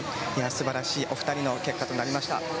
素晴らしいお二人の結果となりました。